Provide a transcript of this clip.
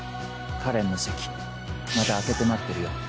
花恋の席また空けて待ってるよ。